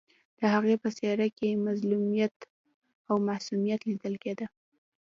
د هغې په څېره کې مظلومیت او معصومیت لیدل کېده